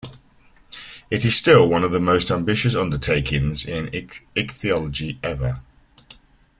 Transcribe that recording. It is still one of the most ambitious undertakings in ichthyology ever.